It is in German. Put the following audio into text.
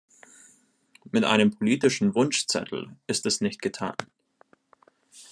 Mit einem politischen Wunschzettel ist es nicht getan.